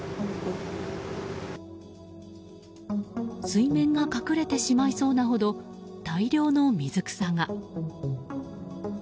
水面が隠れてしまいそうなほど大量の水草が。